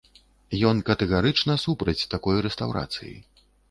Ён катэгарычна супраць такой рэстаўрацыі.